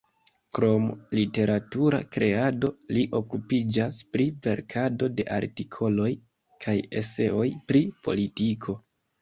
Krom literatura kreado, li okupiĝas pri verkado de artikoloj kaj eseoj pri politiko.